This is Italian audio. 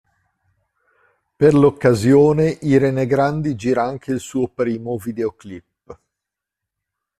Per l'occasione Irene Grandi gira anche il suo primo videoclip.